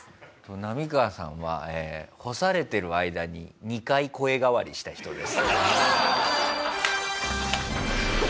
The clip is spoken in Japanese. ナミカワさんは干されてる間に２回声変わりした人です。